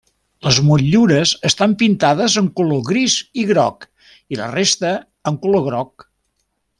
Les motllures estan pintades en color gris i groc i la resta en color groc.